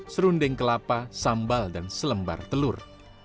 serundeng kelapa sambal dan selembar telur